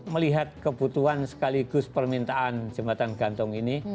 melihat kebutuhan sekaligus permintaan jembatan gantung ini